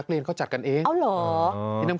นักเรียนเค้าจัดกันเอง